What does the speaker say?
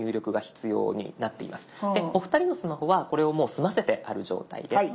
お二人のスマホはこれをもう済ませてある状態です。